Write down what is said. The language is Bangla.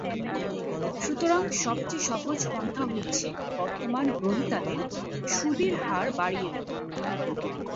সুতরাং সবচেয়ে সহজ পন্থা হচ্ছে বর্তমান গ্রহীতাদের সুদের হার বাড়িয়ে দেওয়া।